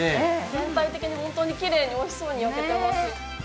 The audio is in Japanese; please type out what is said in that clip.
全体的に本当にきれいにおいしそうに焼けてます。